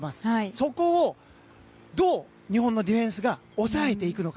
そこをどう日本のディフェンスが抑えていくのか。